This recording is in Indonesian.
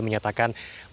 menyatakan masih berharga